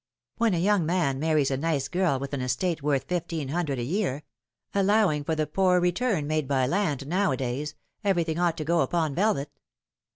When a young man marries a nice girl with an estate worth fifteen hundred a year allowing for the poor return made by land nowadays everything ought to go upon velvet.